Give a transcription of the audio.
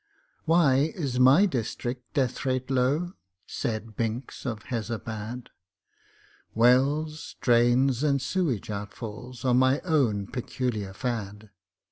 "Why is my District death rate low?" Said Binks of Hezabad. "Wells, drains, and sewage outfalls are My own peculiar fad.